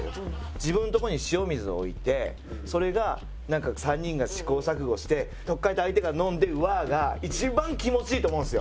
自分のとこに塩水を置いてそれが３人が試行錯誤して取っ換えた相手が飲んで「うわあ！」が一番気持ちいいと思うんですよ。